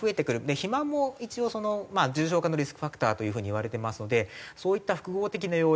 肥満も一応重症化のリスクファクターという風にいわれていますのでそういった複合的な要因。